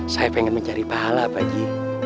saya pengen mencari pahala pak haji